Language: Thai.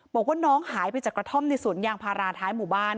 บอกว่าน้องหายไปจากกระท่อมในสวนยางพาราท้ายหมู่บ้าน